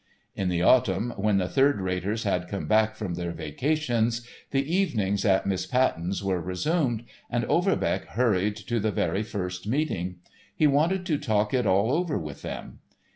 In the Autumn, when the third raters had come back from their vacations, the "evenings" at Miss Patten's were resumed, and Overbeck hurried to the very first meeting. He wanted to talk it all over with them.